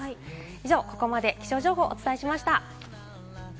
以上、ここまで気象情報をお伝えしました。